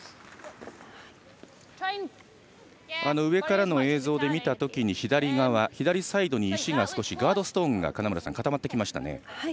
上からの映像で見たときに、左側左サイド、石が少しガードストーンが金村さん、固まってきましたね。